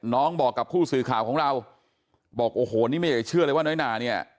บอกกับผู้สื่อข่าวของเราบอกโอ้โหนี่ไม่อยากจะเชื่อเลยว่าน้อยนาเนี่ย